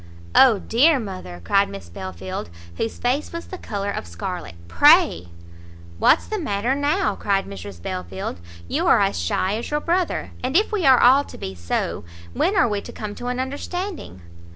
"O dear mother!" cried Miss Belfield, whose face was the colour of scarlet, "pray!" "What's the matter now?" cried Mrs Belfield; "you are as shy as your brother; and if we are all to be so, when are we to come to an understanding?"